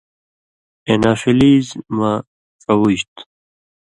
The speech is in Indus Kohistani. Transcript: اېنافلِیز (Anopheles) مہ ڇوُژ تُھو۔